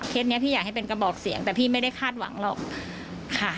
นี้พี่อยากให้เป็นกระบอกเสียงแต่พี่ไม่ได้คาดหวังหรอกค่ะ